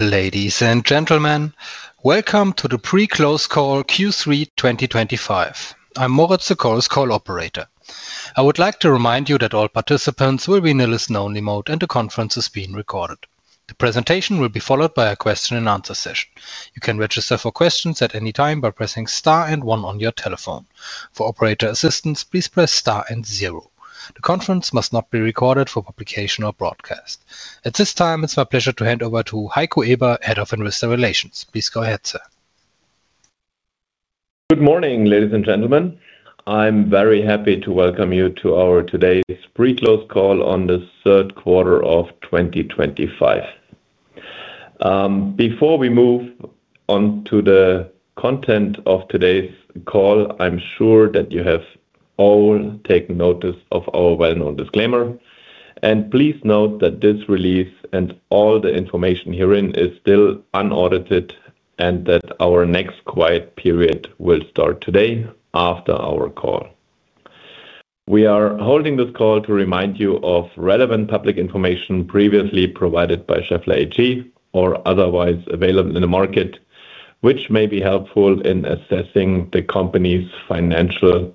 Ladies and gentlemen, welcome to the pre-close call Q3 2025. I'm Moritz, the call's call operator. I would like to remind you that all participants will be in a listen-only mode and the conference is being recorded. The presentation will be followed by a question and answer session. You can register for questions at any time by pressing star and 1 on your telephone. For operator assistance, please press and 0. The conference must not be recorded for publication or broadcast at this time. It's my pleasure to hand over to Heiko Eber, Head of Investor Relations. Please go. Good morning ladies and gentlemen. I'm very happy to welcome you to our today's pre-close call on the third quarter of 2025. Before we move on to the content of today's call, I'm sure that you have all taken notice of our well-known disclaimer, and please note that this release and all the information herein is still unaudited and that our next quiet period will start today after our call. We are holding this call to remind you of relevant public information previously provided by Schaeffler AG or otherwise available in the market, which may be helpful in assessing the company's financial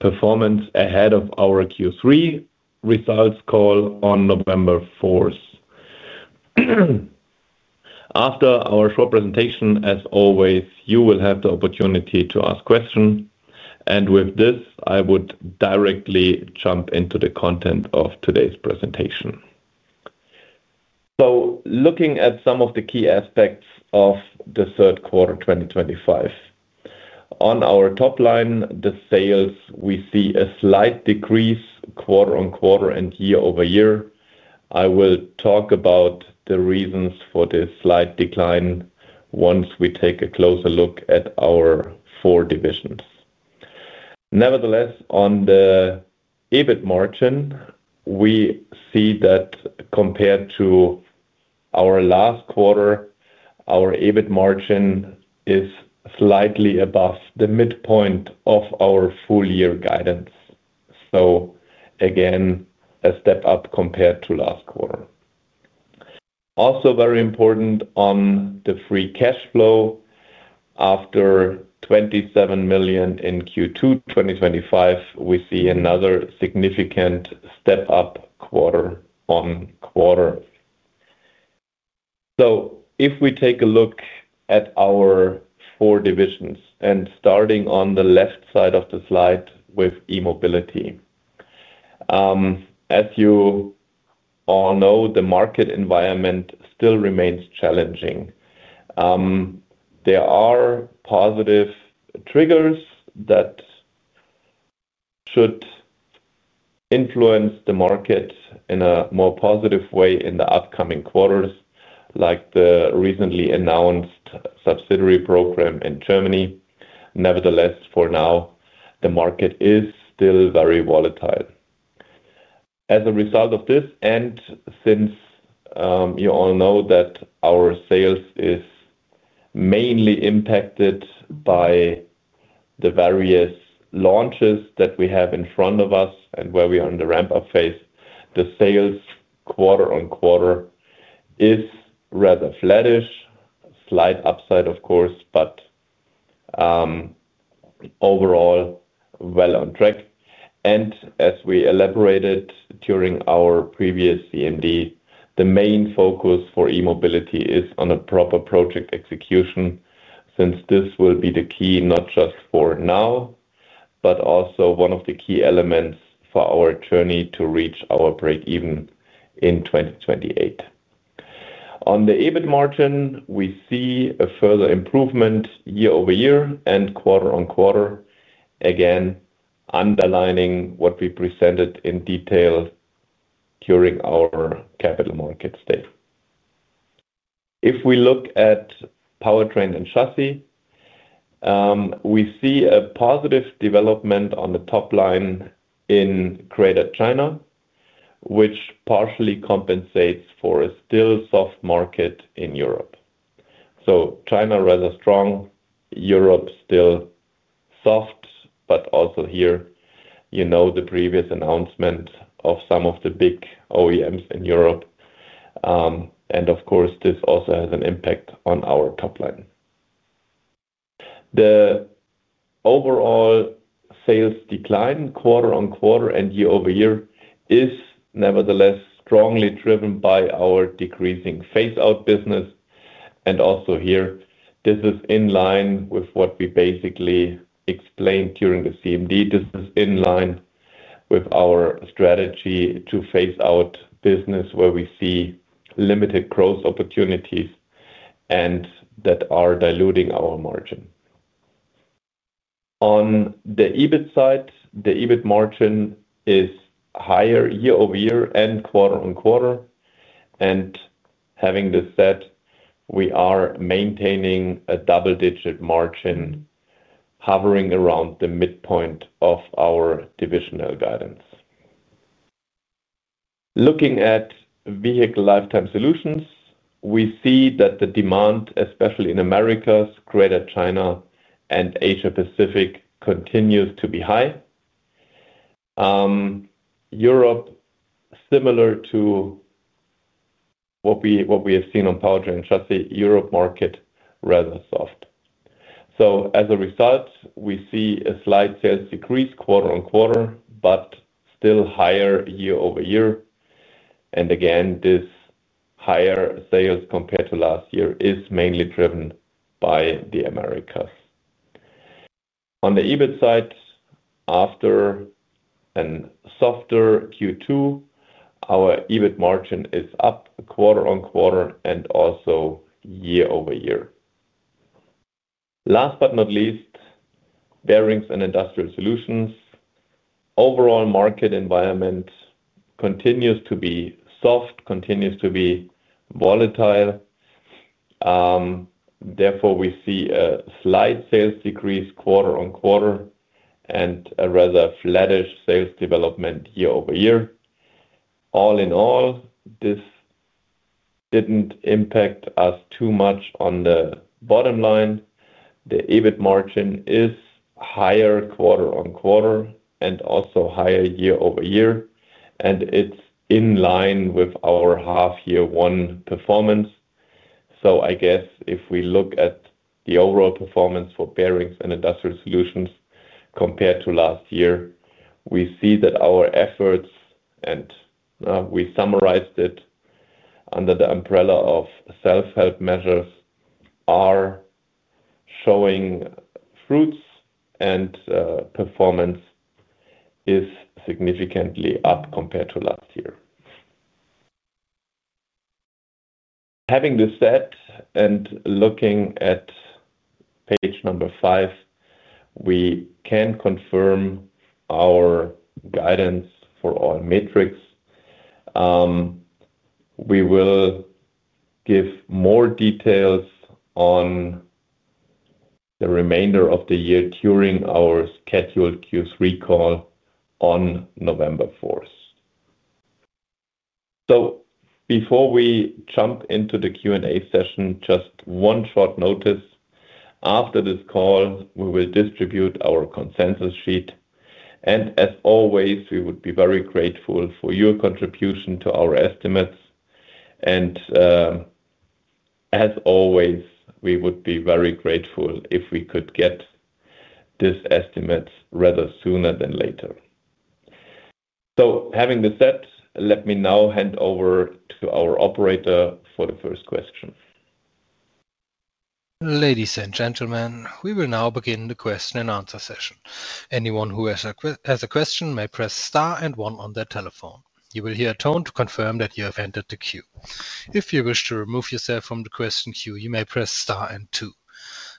performance ahead of our Q3 results call on November 4th after our short presentation. As always, you will have the opportunity to ask questions, and with this I would directly jump into the content of today's presentation. Looking at some of the key aspects of the third quarter 2025, on our top line, the sales, we see a slight decrease quarter on quarter and year over year. I will talk about the reasons for this slight decline once we take a closer look at our four divisions. Nevertheless, on the EBIT margin, we see that compared to our last quarter, our EBIT margin is slightly above the midpoint of our full-year guidance. Again, a step up compared to last quarter. Also very important, on the free cash flow, after $27 million in Q2 2025, we see another significant step up quarter on quarter. If we take a look at our four divisions and starting on the left side of the slide with E-Mobility, as you all know, the market environment still remains challenging. There are positive triggers that should influence the market in a more positive way in the upcoming quarters, like the recently announced subsidiary program in Germany. Nevertheless, for now, the market is still very volatile. As a result of this, and since you all know that our sales is mainly impacted by the various launches that we have in front of us and where we are in the ramp-up phase, the sales quarter on quarter is rather flattish. Slight upside, of course, but overall well on track, and as we elaborated during our previous CMD, the main focus for E-Mobility is on a proper project execution since this will be the key not just for now, but also one of the key elements for our journey to reach our break-even in 2028. On the EBIT margin, we see a further improvement year over year and quarter on quarter, again underlining what we presented in detail during our Capital Markets Day. If we look at Powertrain & Chassis, we see a positive development on the top line in Greater China, which partially compensates for a still soft market in Europe. China is rather strong, Europe still soft. Also, the previous announcement of some of the big OEMs in Europe has an impact on our top line. The overall sales decline quarter on quarter and year over year is nevertheless strongly driven by our decreasing phase-out business. This is in line with what we basically explained during the CMD. This is in line with our strategy to phase out business where we see limited growth opportunities and that are diluting our margin. On the EBIT side, the EBIT margin is higher year over year and quarter on quarter. Having this said, we are maintaining a double-digit margin hovering around the midpoint of our divisional guidance. Looking at Vehicle Lifetime Solutions, we see that the demand, especially in Americas, Greater China, and Asia Pacific, continues to be high. Europe, similar to what we have seen on Powertrain, is just the Europe market rather soft. As a result, we see a slight sales decrease quarter on quarter but still higher year over year. Again, this higher sales compared to last year is mainly driven by the Americas. On the EBIT side, after a softer Q2, our EBIT margin is up quarter on quarter and also year over year. Last but not least, Bearings & Industrial Solutions' overall market environment continues to be soft, continues to be volatile. Therefore, we see a slight sales decrease quarter on quarter and a rather flattish sales development year over year. All in all, this didn't impact us too much. On the bottom line, the EBIT margin is higher quarter on quarter and also higher year over year, and it's in line with our half year one performance. If we look at the overall performance for Bearings & Industrial Solutions compared to last year, we see that our efforts, and we summarized it under the umbrella of self-help measures, are showing fruits and performance is significantly up compared to last year. Having this said and looking at page number five, we can confirm our guidance for all metrics. We will give more details on the remainder of the year during our scheduled Q3 call on November 4th. Before we jump into the Q&A session, just one short notice. After this call, we will distribute our consensus sheet. We would be very grateful for your contribution to our estimates. We would be very grateful if we could get this estimate rather sooner than later. Having this set, let me now hand over to our operator for the first question. Ladies and gentlemen, we will now begin the question and answer session. Anyone who has a question may press star and one on their telephone. You will hear a tone to confirm that you have entered the queue. If you wish to remove yourself from the question queue, you may press star and two.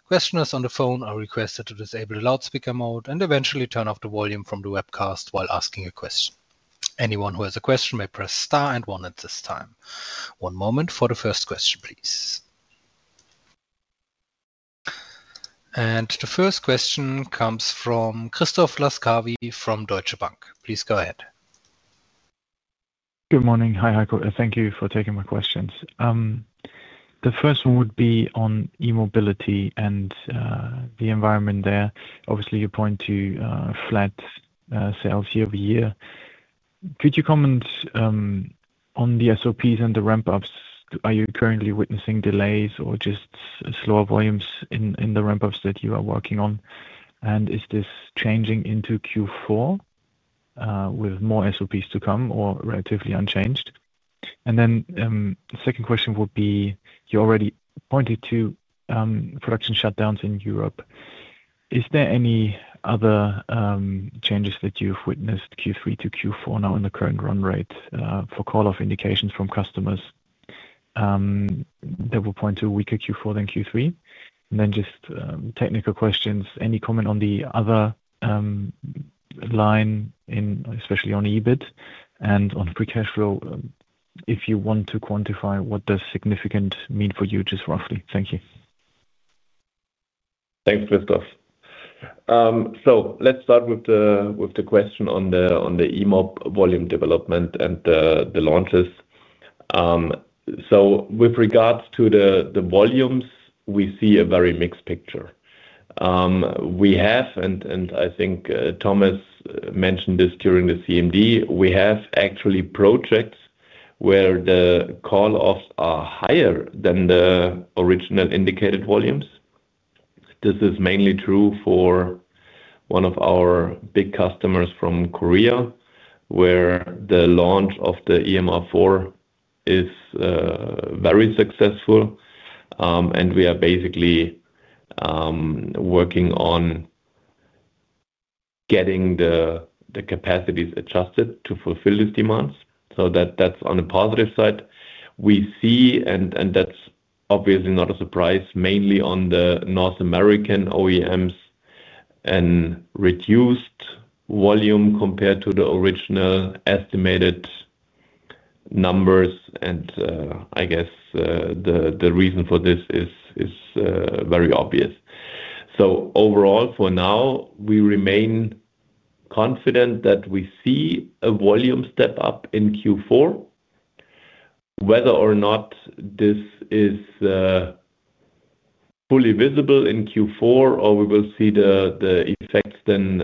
Questioners on the phone are requested to disable the loudspeaker mode and eventually turn off the volume from the webcast while asking a question. Anyone who has a question may press star and one at this time. One moment for the first question, please. The first question comes from Christoph Laskawi from Deutsche Bank. Please go ahead. Good morning. Hi Heiko, thank you for taking my questions. The first one would be on E-Mobility and the environment. There, obviously you point to flat sales year over year. Could you comment on the SOPs and the ramp ups? Are you currently witnessing delays or just slower volumes in the ramp ups that you are working on? Is this changing into Q4 with more SOPs to come or relatively unchanged? The second question would be, you already pointed to production shutdowns in Europe. Is there any other changes that you've witnessed Q3 to Q4 now in the current run rate for call off indications from customers that would point to a weaker Q4 than Q3? Just technical questions. Any comment on the other line, especially on EBIT and on free cash flow, if you want to quantify what does significant mean for you, just roughly. Thank you. Thanks Christoph. Let's start with the question on the EOP volume development and the launches. With regards to the volumes, we see a very mixed picture. We have, and I think Thomas mentioned this during the CMD, projects where the call offs are higher than the original indicated volumes. This is mainly true for one of our big customers from Korea where the launch of the EMR4 is very successful, and we are basically working on getting the capacities adjusted to fulfill these demands. On a positive side, we see, and that's obviously not a surprise, mainly on the North American OEMs, a reduced volume compared to the original estimated numbers. I guess the reason for this is very obvious. Overall, for now, we remain confident that we see a volume step up in Q4. Whether or not this is fully visible in Q4 or we will see the effects then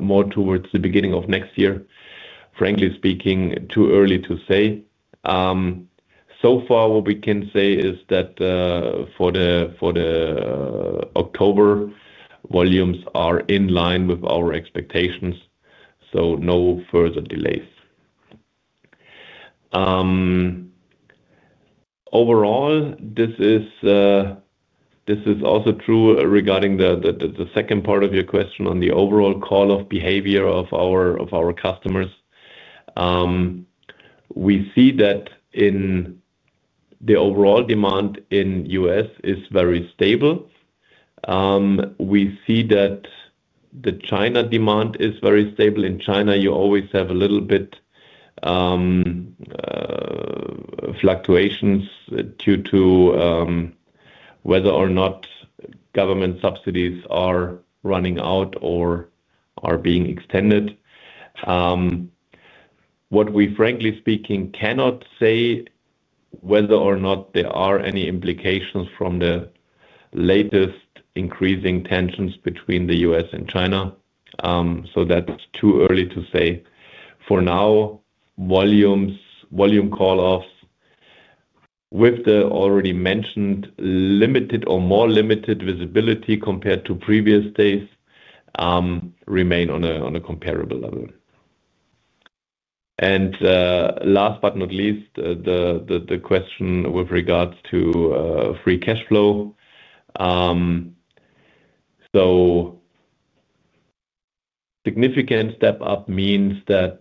more towards the beginning of next year, frankly speaking, too early to say. So far, what we can say is that for October, volumes are in line with our expectations, so no further delays. Overall, this is also true. Regarding the second part of your question on the overall call off behavior of our customers, we see that the overall demand in the U.S. is very stable. We see that the China demand is very stable. In China, you always have a little bit of fluctuations due to whether or not government subsidies are running out or are being extended. Frankly speaking, we cannot say whether or not there are any implications from the latest increasing tensions between the U.S. and China. That's too early to say. For now, volumes, volume call offs, with the already mentioned limited or more limited visibility compared to previous days, remain on a comparable level. Last but not least, the question with regards to free cash flow. Significant step up means that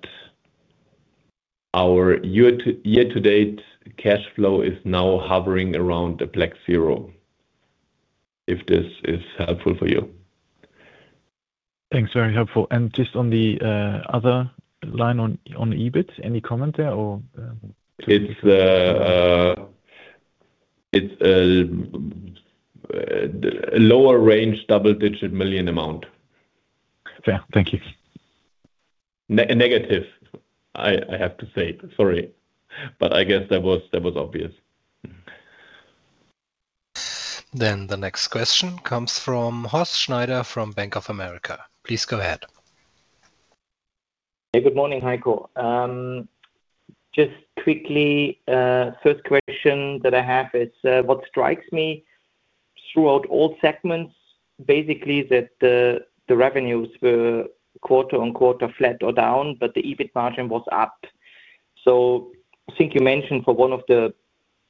our year-to-date cash flow is now hovering around the plus zero. If this is helpful for you, thanks. Very helpful. Just on the other line on EBIT, any comment there or it's. It's a lower range double-digit million amount. Thank you. Negative, I have to say sorry, but I guess that was obvious. The next question comes from Horst Schneider from Bank of America. Please go ahead. Good morning, Heiko. Just quickly, first question that I have is what strikes me throughout all segments basically is that the revenues were quarter on quarter flat or down, but the EBIT margin was up. I think you mentioned for one of the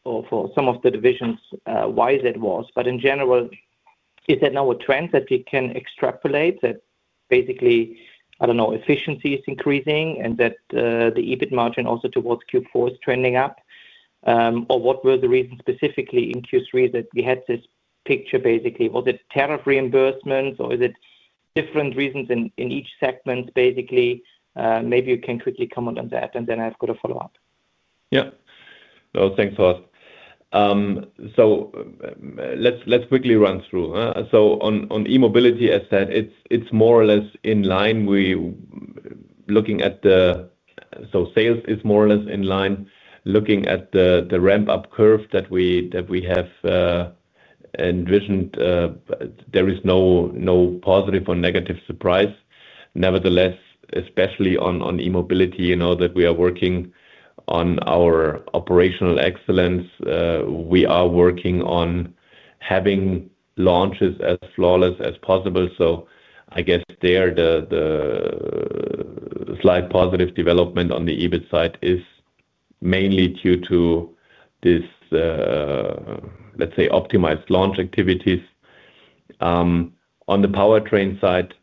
or for some of the divisions why that was, but in general, is that now a trend that you can extrapolate, that basically, I don't know, efficiency is increasing and that the EBIT margin also towards Q4 is trending up, or what were the reasons specifically in Q3 that we had this picture? Was it tariff reimbursements, or is it different reasons in each segment? Maybe you can quickly comment on that, and then I've got a follow up. Yeah, thanks Horst. Let's quickly run through. On E-Mobility, as said, it's more or less in line. We're looking at the sales, it's more or less in line, looking at the ramp-up curve that we have envisioned. There is no positive or negative surprise. Nevertheless, especially on E-Mobility, you know that we are working on our operational excellence. We are working on having launches as flawless as possible. I guess the slight positive development on the EBIT side is mainly due to this, let's say, optimized launch activities. On the Powertrain & Chassis side,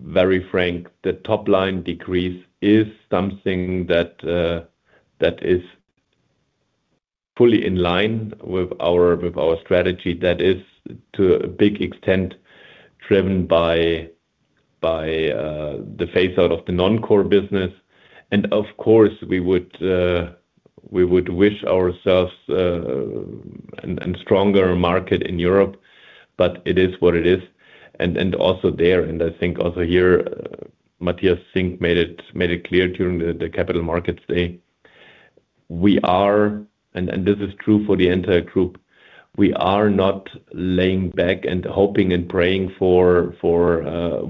very frank, the top line decrease is something that is fully in line with our strategy. That is to a big extent driven by the phase-out of the non-core business. Of course, we would wish ourselves a stronger market in Europe, but it is what it is. Also there, and I think also here, Matthias Zink made it clear during the Capital Markets Day, we are, and this is true for the entire group, not laying back and hoping and praying for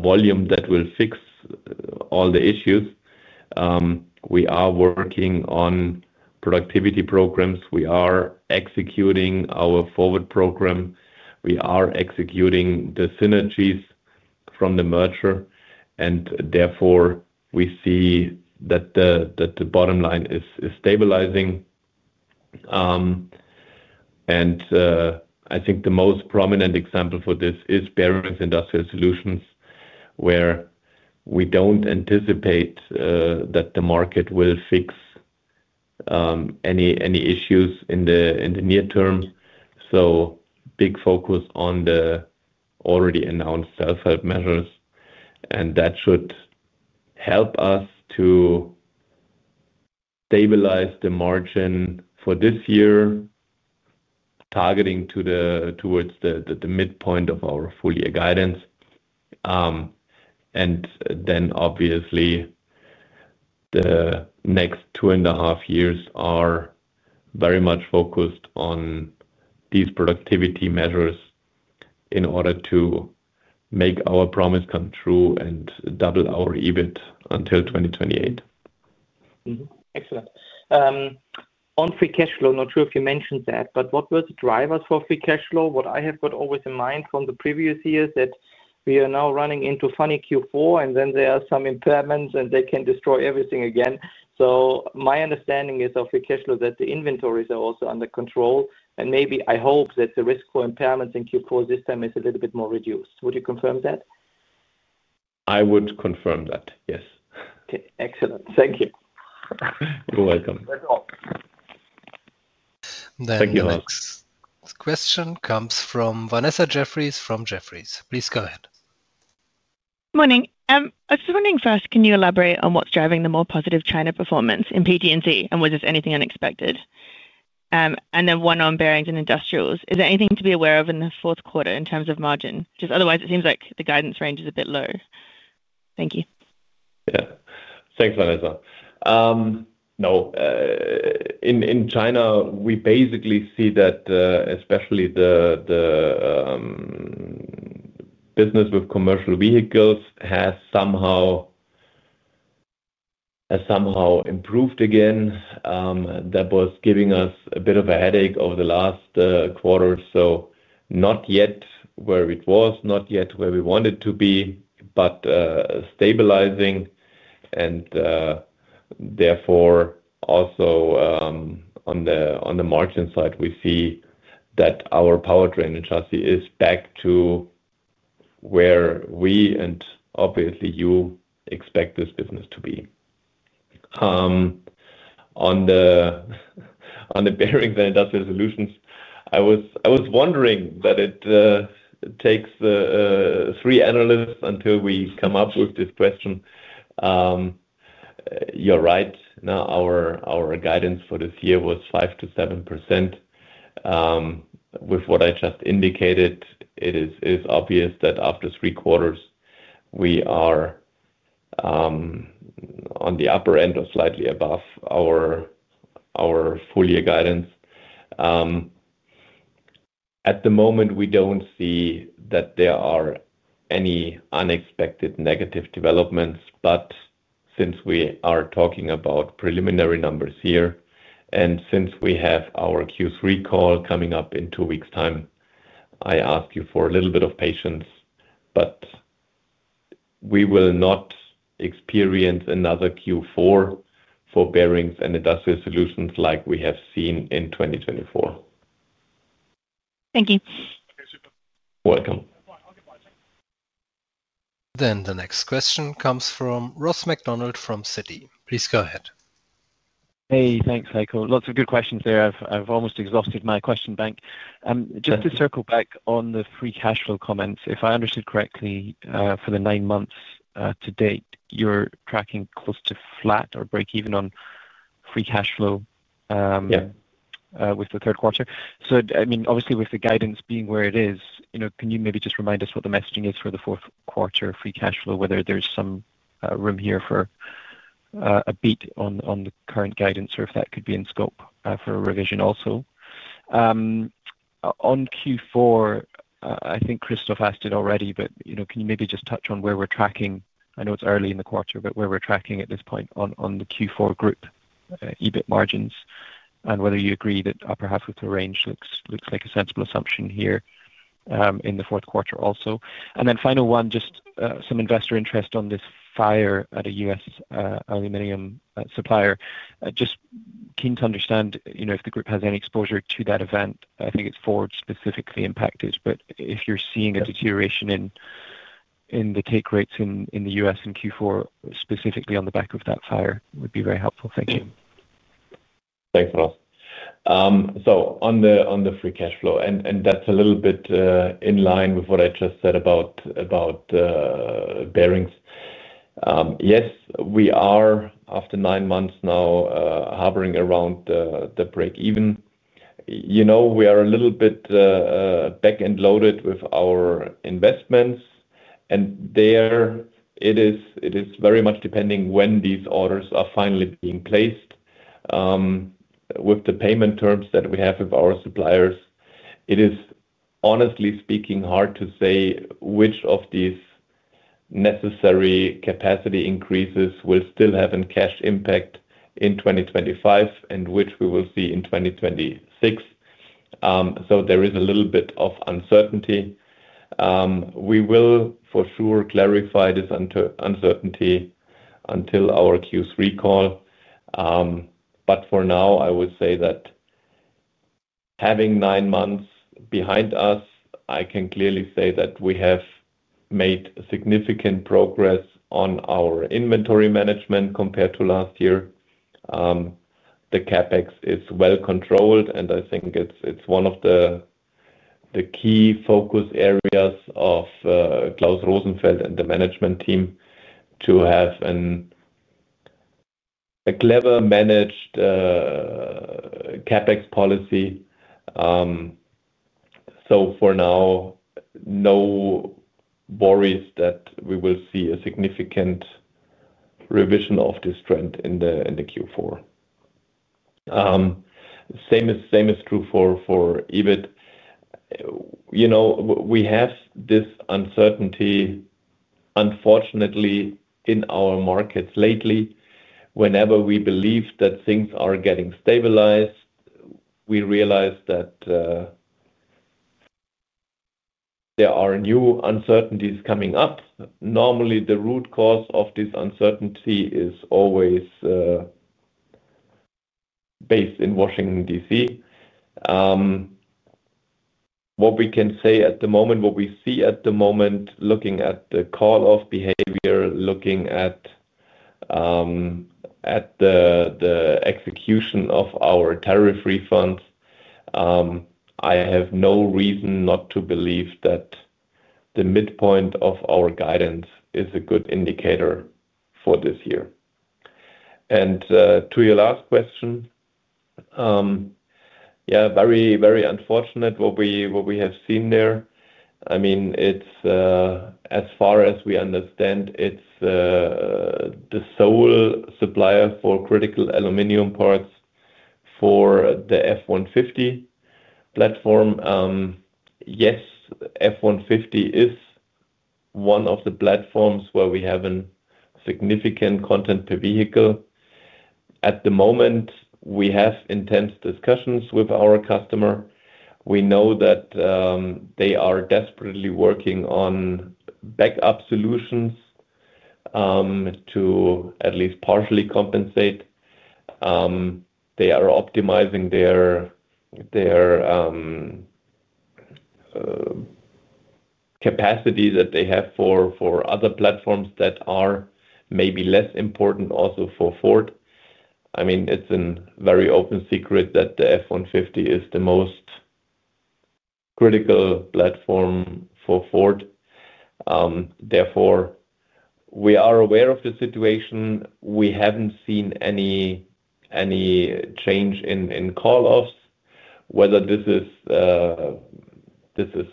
volume that will fix all the issues. We are working on productivity programs, we are executing our forward program, we are executing the synergies from the merger, and therefore we see that the bottom line is stabilizing. I think the most prominent example for this is Bearings & Industrial Solutions, where we don't anticipate that the market will fix any issues in the near term. Big focus on the already announced self-help measures, and that should help us to stabilize the margin for this year, targeting towards the midpoint of our full-year guidance. Obviously, the next two and a half years are very much focused on these productivity measures in order to make our promise come true and double our EBIT until 2028. Excellent on free cash flow. Not sure if you mentioned that, but what were the drivers for free cash flow? What I have got always in mind from the previous years is that we are now running into funny Q4, and then there are some impairments and they can destroy everything again. My understanding is of free cash flow that the inventories are also under control, and maybe I hope that the risk for impairments in Q4 this time is a little bit more reduced. Would you confirm that? I would confirm that, yes. Okay, excellent. Thank you. You're welcome. Thank you. Question comes from Vanessa Jeffries from Jefferies. Please go ahead. Morning. I was wondering first, can you elaborate on what's driving the more positive China performance in Powertrain & Chassis? Was this anything unexpected? One on Bearings & Industrial Solutions. Is there anything to be aware of in the fourth quarter in terms of margin? Otherwise, it seems like the guidance range is a bit low. Thank you. Yeah, thanks Vanessa. In China we basically see that especially the business with commercial vehicles has somehow improved again. That was giving us a bit of a headache over the last quarter. Not yet where it was, not yet where we wanted to be, but stabilizing and therefore also on the margin side we see that our Powertrain & Chassis is back to where we want it. Obviously you expect this business to be on the Bearings & Industrial Solutions. I was wondering that it takes three analysts until we come up with this question. You're right. Now our guidance for this year was 5 to 7%. With what I just indicated it is obvious that after three quarters we are on the upper end or slightly above our full year guidance. At the moment we don't see that there are any unexpected negative developments. Since we are talking about preliminary numbers here and since we have our Q3 call coming up in two weeks time, I ask you for a little bit of patience. We will not experience another Q4 for Bearings & Industrial Solutions like we have seen in 2024. Thank you. Welcome. The next question comes from Ross MacDonald from Citi. Please go ahead. Hey, thanks Heiko. Lots of good questions there. I've almost exhausted my question bank just to circle back on the free cash flow. If I understood correctly, for the nine months to date you're tracking close to flat or break even on free cash flow with the third quarter. Obviously with the guidance being where it is, can you maybe just remind us what the messaging is for the fourth quarter free cash flow, whether there's some room here for a beat on the current guidance or if that could be in scope for a revision. Also. On Q4, I think Christoph asked it already, but can you maybe just touch on where we're tracking? I know it's early in the quarter, but where we're tracking at this point on the Q4 group EBIT margins and whether you agree that upper half of the range looks like a sensible assumption here in the fourth quarter also. Final one, just some investor interest on this fire at a US aluminum supplier, just keen to understand if the group has any exposure to that event. I think it's Ford specifically impacted. If you're seeing a deterioration in the take rates in the US in Q4 specifically on the back of that fire, would be very helpful. Thank you. Thanks, Ross. On the free cash flow, and that's a little bit in line with what I just said about bearings. Yes, we are after nine months now hovering around the break even. We are a little bit back end loaded with our investments, and it is very much depending when these orders are finally being placed with the payment terms that we have with our suppliers. It is, honestly speaking, hard to say which of these necessary capacity increases will still have a cash impact in 2025 and which we will see in 2026. There is a little bit of uncertainty. We will for sure clarify this uncertainty until our Q3 call. For now, I would say that having nine months behind us, I can clearly say that we have made significant progress on our inventory management compared to last year. The CapEx is well controlled, and I think it's one of the key focus areas of Klaus Rosenfeld and the management team to have a cleverly managed CapEx policy. For now, no worries that we will see a significant revision of this trend in Q4. The same is true for EBIT. We have this uncertainty, unfortunately, in our markets lately. Whenever we believe that things are getting stabilized, we realize that there are new uncertainties coming up. Normally, the root cause of this uncertainty is always based in Washington, D.C. What we can say at the moment, what we see at the moment looking at the call-off behavior, looking at the execution of our tariff refunds, I have no reason not to believe that the midpoint of our guidance is a good indicator for this year. To your last question, yeah, very, very unfortunate what we have seen there. As far as we understand, it's the sole supplier for critical aluminum parts for the F-150 platform. Yes, F-150 is one of the platforms where we have a significant content per vehicle at the moment. We have intense discussions with our customer. We know that they are desperately working on backup solutions to at least partially compensate. They are optimizing their capacity that they have for other platforms that are maybe less important also for Ford. It's a very open secret that the F-150 is the most critical platform for Ford. Therefore, we are aware of the situation. We haven't seen any change in call-offs, whether this is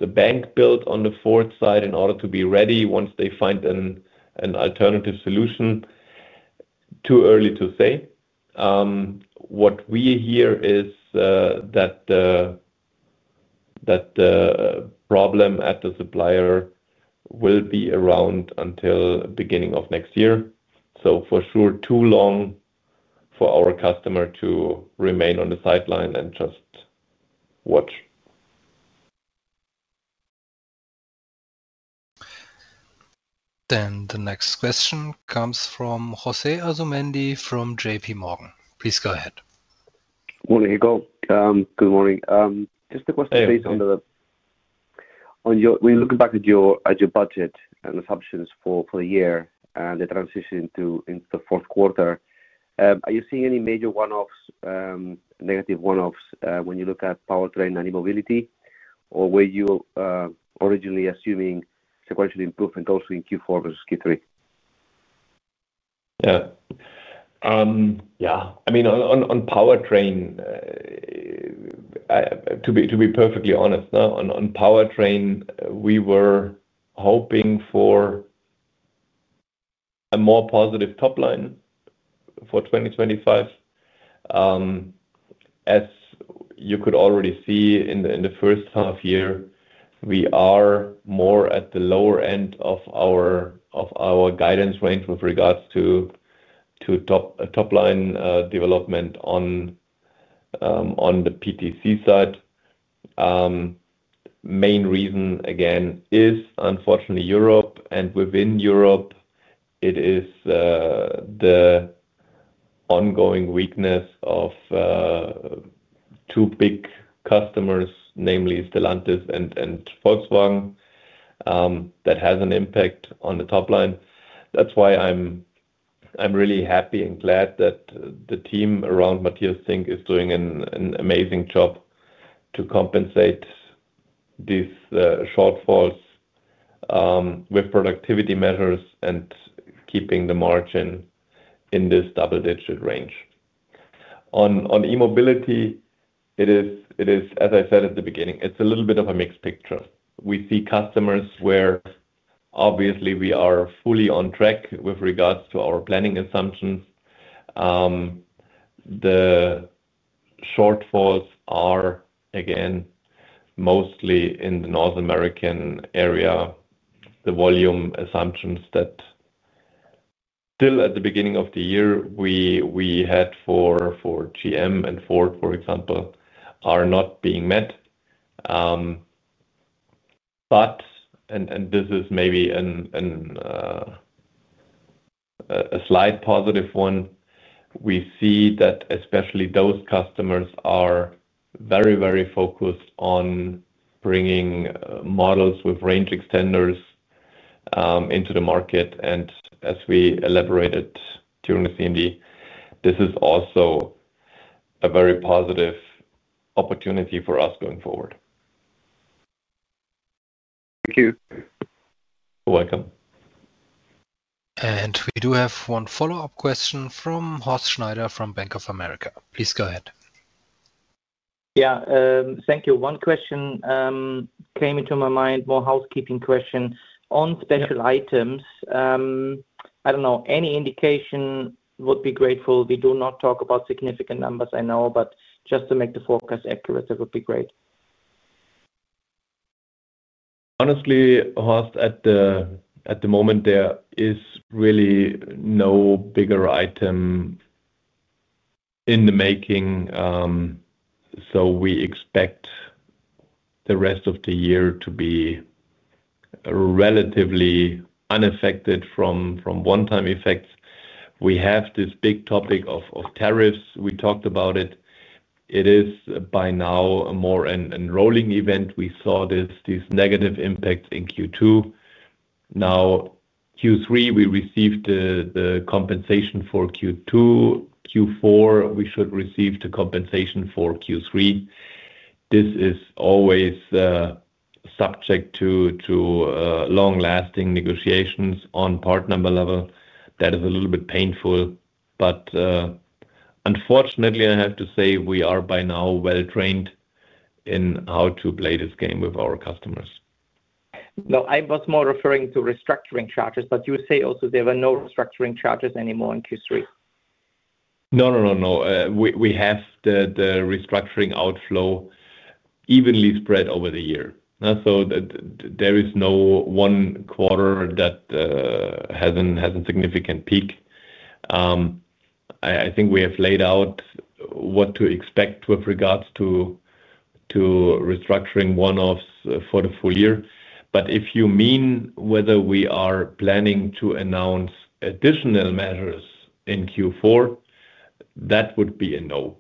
a bank built on the Ford side in order to be ready once they find an alternative solution. Too early to say. What we hear is that the problem at the supplier will be around until the beginning of next year. For sure, too long for our customer to remain on the sideline and just watch. The next question comes from Jose Azumendi from JP Morgan. Please go ahead. Good morning. Just a question based on your, we look back at your as. Your budget and assumptions for the year. Regarding the transition to the fourth quarter, are you seeing any major one-offs, negative one-offs when you look at Powertrain & Chassis and E-Mobility, or were you originally assuming sequential improvement also in Q4 versus Q3? Yeah, yeah, I mean on Powertrain. To. be perfectly honest on Powertrain & Chassis, we were hoping for a more positive top line for 2025. As you could already see in the first half year, we are more at the lower end of our guidance range with regards to top line development on the Powertrain & Chassis side. The main reason again is unfortunately Europe, and within Europe it is the ongoing weakness of two big customers, namely Stellantis and Volkswagen, that has an impact on the top line. That's why I'm really happy and glad that the team around Matthias Zink is doing an amazing job to compensate these shortfalls with productivity measures and keeping the margin in this double-digit range. On E-Mobility, it is as I said at the beginning, it's a little bit of a mixed picture. We see customers where obviously we are fully on track with regards to our planning assumptions. The shortfalls are again mostly in the North American area. The volume assumptions that still at the beginning of the year we had for GM and Ford, for example, are not being met. This is maybe a slight positive one, we see that especially those customers are very, very focused on bringing models with range extenders into the market. As we elaborated during the CMD, this is also a very positive opportunity for us going forward. Thank you. You're welcome. We do have one follow-up question from Horst Schneider from Bank of America. Please go ahead. Yeah, thank you. One question came into my mind. More housekeeping question on special items. I don't know, any indication would be grateful. We do not talk about significant numbers, I know, but just to make the. Forecast accurate that would be great. Honestly, Horst, at the moment there is really no bigger item in the making. We expect the rest of the year to be relatively unaffected from one-time effects. We have this big topic of tariffs we talked about. It is by now more an enrolling event. We saw these negative impacts in Q2. Now Q3 we received the compensation for Q2. Q4 we should receive the compensation for Q3. This is always subject to long-lasting negotiations on part number level. That is a little bit painful, but unfortunately I have to say we are by now well trained in how to play this game with our customers. No, I was more referring to restructuring charges. You say also there were no restructuring charges anymore in Q3. We have the restructuring outflow evenly spread over the year. There is no one quarter that has a significant peak. I think we have laid out what to expect with regards to restructuring one offs for the full year. If you mean whether we are planning to announce additional measures in Q4, that would be a no.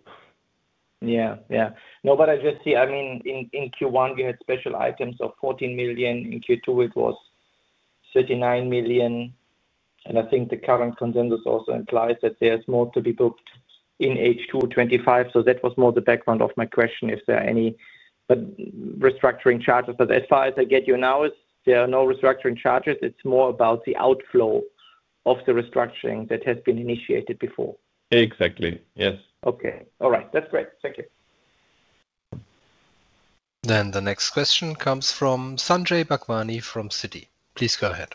Yeah, yeah. No, but I just see, I mean, in Q1 we had special items of $14 million. In Q2 it was $39 million. I think the current consensus also implies that there's more to be booked in H2 2025. That was more the background of my question if there are any restructuring charges. As far as I get you now, there are no restructuring charges. It's more about the outflow. Restructuring that has been initiated before. Exactly. Yes, okay. All right, that's great. Thank you. The next question comes from Sanjay Bhagwani from Citi. Please go ahead.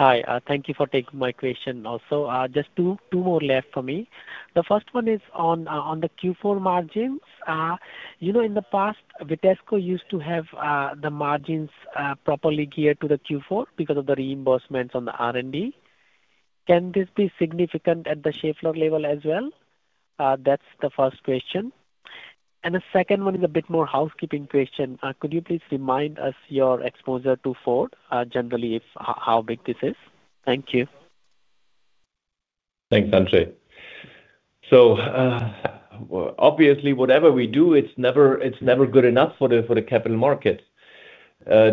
Hi. Thank you for taking my question. Also, just two more left for me. The first one is on the Q4 margins. You know, in the past Vitesco used to have the margins properly geared to the Q4 because of the reimbursements on the R&D. Can this be significant at the Schaeffler level as well? That's the first question. The second one is a bit more housekeeping question. Could you please remind us your exposure to Ford generally, how big this is? Thank you. Thanks, Andre. Obviously, whatever we do, it's never good enough for the capital markets.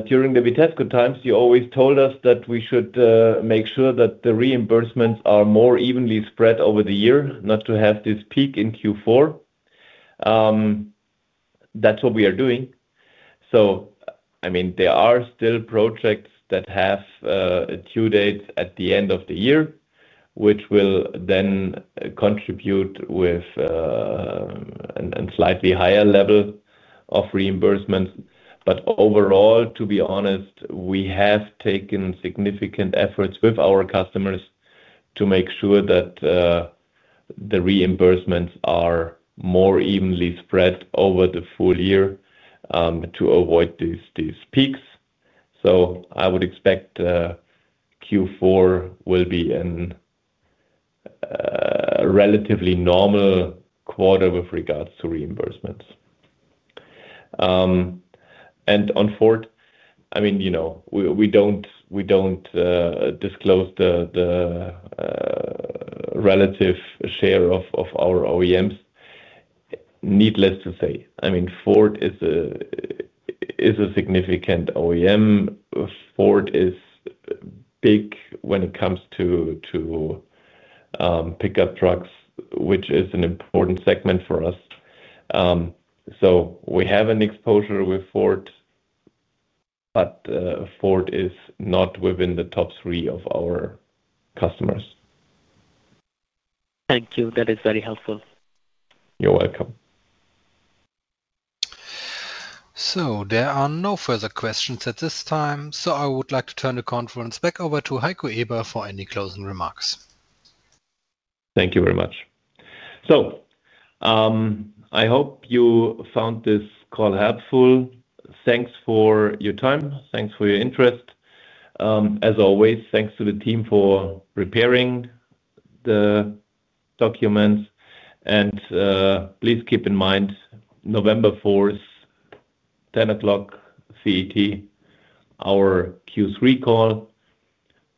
During the Vitesco times, you always told us that we should make sure that the reimbursements are more evenly spread over the year, not to have this peak in Q4. That's what we are doing. There are still projects that have due dates at the end of the year which will then contribute with a slightly higher level of reimbursements. Overall, to be honest, we have taken significant efforts with our customers to make sure that the reimbursements are more evenly spread over the full year to avoid these peaks. I would expect Q4 will be. In. Relatively normal quarter with regards to reimbursements. On Ford, we don't disclose the relative share of our OEMs. Needless to say, Ford is a significant OEM. Ford is big when it comes to pickup trucks, which is an important segment for us. We have an exposure with Ford, but Ford is not within the top three of our customers. Thank you. That is very helpful. You're welcome. There are no further questions at this time. I would like to turn the conference back over to Heiko Eber for any closing remarks. Thank you very much. I hope you found this call helpful. Thanks for your time. Thanks for your interest as always. Thanks to the team for preparing the documents. Please keep in mind November 4th, 10:00 A.M. CET, our Q3 call.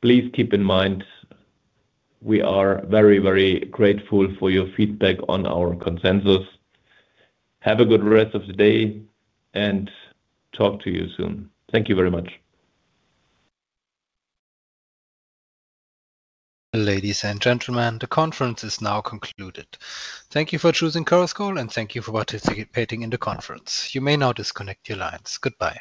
Please keep in mind we are very, very grateful for your feedback on our consensus. Have a good rest of the day and talk to you soon. Thank you very much. Ladies and gentlemen, the conference is now concluded. Thank you for choosing Curlscore, and thank you for participating in the conference. You may now disconnect your lines. Goodbye.